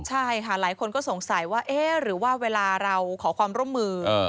ใช่ค่ะหลายคนก็สงสัยว่าเอ๊ะหรือว่าเวลาเราขอความร่วมมือ